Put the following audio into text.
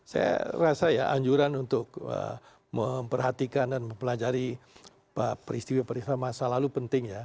saya rasa ya anjuran untuk memperhatikan dan mempelajari peristiwa peristiwa masa lalu penting ya